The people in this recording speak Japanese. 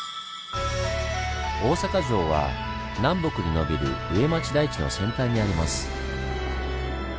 大阪城は南北にのびる上町台地の先端にあります。